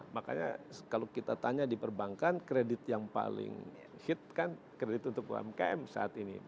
makanya kalau kita tanya di perbankan kredit yang paling hit kan kredit untuk umkm saat ini